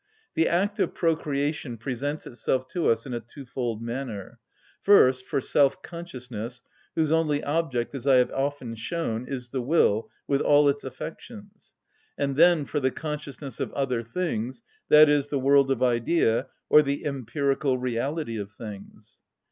The act of procreation presents itself to us in a twofold manner: first, for self‐consciousness, whose only object, as I have often shown, is the will, with all its affections; and then for the consciousness of other things, i.e., the world of idea, or the empirical reality of things.